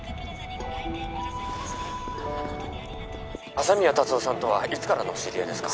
☎朝宮達雄さんとはいつからのお知り合いですか？